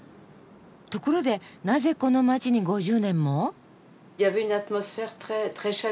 ところでなぜこの街に５０年も？